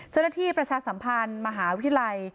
เจ้าหน้าที่ประชาสัมพันธ์มหาวิทยาลัย